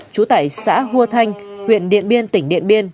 chú tải xã hua thanh huyện điện biên tỉnh điện biên